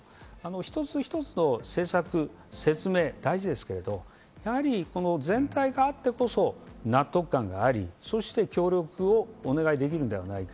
一つ一つの政策の説明が大切ですが、やはり全体があってこそ納得感があり、協力をお願いできるのではないか。